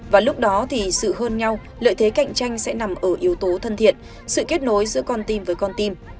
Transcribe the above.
và lúc đó thì sự hơn nhau lợi thế cạnh tranh sẽ nằm ở yếu tố thân thiện sự kết nối giữa con tim với con tim